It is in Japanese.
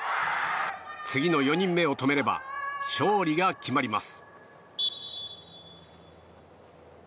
次の４人目を止めれば勝利が決まります。